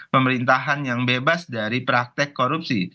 pemerintahan yang bebas dari praktek korupsi